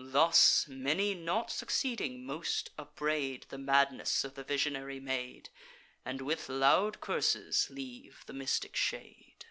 Thus, many not succeeding, most upbraid The madness of the visionary maid, And with loud curses leave the mystic shade.